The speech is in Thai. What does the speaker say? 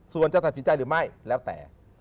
ส่วนจะตัดสินใจหรือไม่แล้วแต่